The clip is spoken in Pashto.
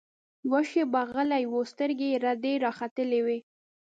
يوه شېبه غلى و سترګې يې رډې راختلې وې.